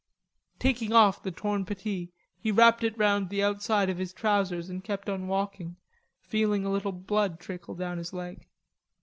Taking off the torn puttee, he wrapped it round the outside of his trousers and kept on walking, feeling a little blood trickle down his leg.